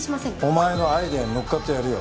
お前のアイデアに乗っかってやるよ。